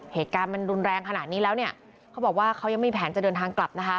เหตุการณ์มันรุนแรงขนาดนี้แล้วเนี่ยเขาบอกว่าเขายังไม่มีแผนจะเดินทางกลับนะคะ